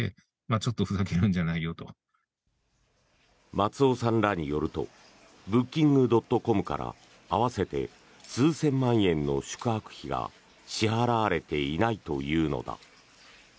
松尾さんらによるとブッキングドットコムから合わせて数千万円の宿泊費が支払われていないというのだ。